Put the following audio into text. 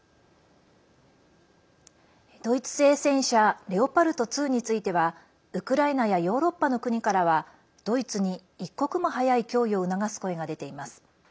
ドイツ製戦車レオパルト２についてはウクライナやヨーロッパの国からはドイツに一刻も早い供与を促す声が出ています。